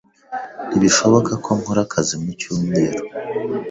Ntibishoboka ko nkora akazi mu cyumweru.